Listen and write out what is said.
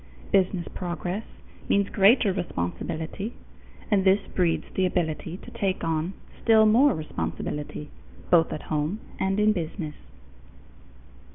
Business progress means greater responsibility, and this breeds the ability to take on still more responsibility, both at home and in business.